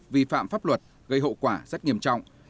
vi phạm pháp luật gây hậu quả rất nghiêm trọng